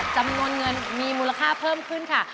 จำนวนเงินมีมูลค่าเพิ่มขึ้นค่ะ